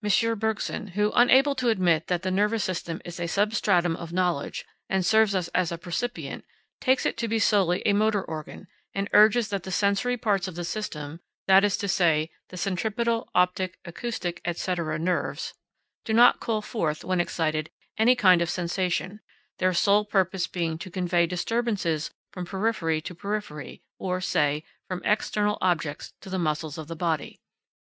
Bergson, who, unable to admit that the nervous system is a substratum of knowledge and serves us as a percipient, takes it to be solely a motor organ, and urges that the sensory parts of the system that is to say, the centripetal, optic, acoustic, &c, nerves do not call forth, when excited, any kind of sensation, their sole purpose being to convey disturbances from periphery to periphery, or, say, from external objects to the muscles of the body.